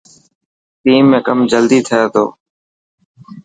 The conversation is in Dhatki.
ٽيم ۾ ڪم جلدي ٿي ٿو.